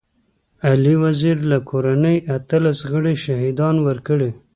علي وزير له کورنۍ اتلس غړي شهيدان ورکړي.